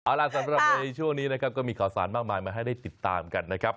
เอาล่ะสำหรับในช่วงนี้นะครับก็มีข่าวสารมากมายมาให้ได้ติดตามกันนะครับ